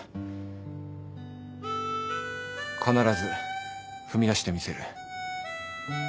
必ず踏み出してみせる。